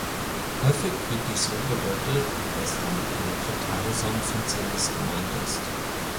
Häufig wird dies so gedeutet, dass damit eine totale Sonnenfinsternis gemeint ist.